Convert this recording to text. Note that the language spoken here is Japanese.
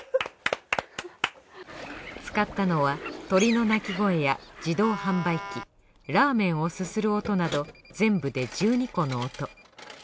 使ったのは鳥の鳴き声や自動販売機ラーメンをすする音など全部で１２個の音。